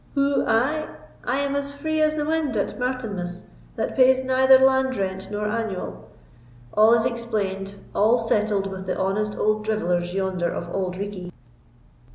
"Who—I? I am as free as the wind at Martinmas, that pays neither land rent nor annual; all is explained—all settled with the honest old drivellers yonder of Auld Reekie.